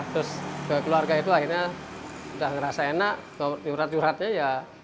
terus keluarga itu akhirnya sudah merasa enak jurat juratnya ya